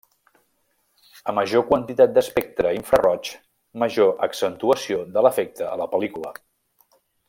A major quantitat d'espectre infraroig, major accentuació de l'efecte a la pel·lícula.